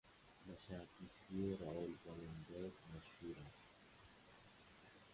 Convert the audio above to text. بشر دوستی رائول والن برگ مشهور است.